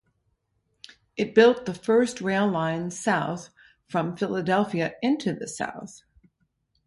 It built the first rail line south from Philadelphia into The South.